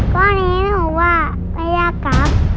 ข้อนี้หนูว่าไม่ยากครับ